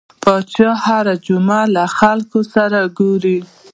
پاچا هر جمعه له خلکو سره ګوري .